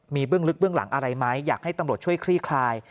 มีเบื้องลึกเบื้องหลังอะไรไหมอยากให้ตำรวจช่วยคลี่คลาย